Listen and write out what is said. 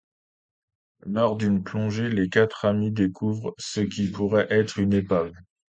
Lors d'une plongée, les quatre amis découvrent ce qui pourrait être une épave.